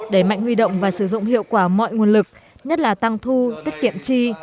đẩy mạnh huy động và sử dụng hiệu quả mọi nguồn lực nhất là tăng thu kết kiện chi